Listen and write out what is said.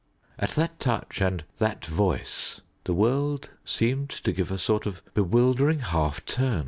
At that touch and that voice the world seemed to give a sort of bewildering half turn.